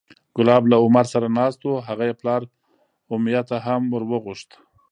کلاب له عمر سره ناست و هغه یې پلار امیة هم وورغوښت،